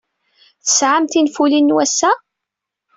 Tesɛam tinfulin n wass-a?